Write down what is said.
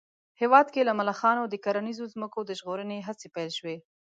هېواد کې له ملخانو د کرنیزو ځمکو د ژغورنې هڅې پيل شوې